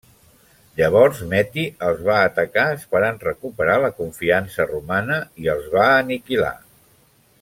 Llavors Meti els va atacar esperant recuperar la confiança romana, i els va aniquilar.